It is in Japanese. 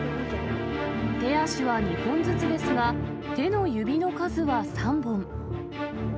手足は２本ずつですが、手の指の数は３本。